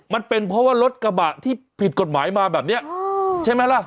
มันเป็นเพราะว่ารถกระบะที่ผิดกฎหมายมาแบบนี้ใช่ไหมล่ะ